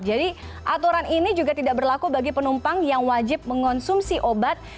jadi aturan ini juga tidak berlaku bagi penumpang yang wajib mengonsumsi obat